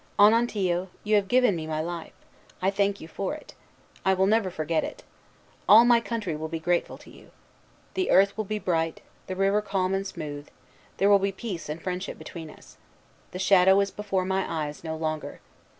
Onontio, you have given me my life. I thank you for it. I will never forget it. All my country will be grateful to you. The earth will be bright; the river calm and smooth; there will be peace and friendship between us. The shadow is before my eyes no longer.